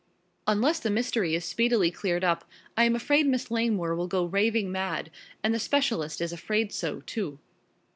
"Unless the mystery is speedily cleared up I am afraid Miss Langmore will go raving mad, and the specialist is afraid so, too."